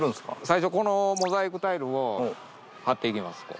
最初このモザイクタイルを貼っていきます。